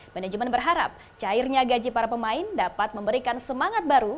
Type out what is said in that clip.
manajemen berharap cairnya gaji para pemain dapat memberikan semangat baru